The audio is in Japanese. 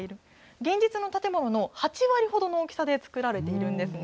現実の建物の８割ほどの大きさで作られているんですね。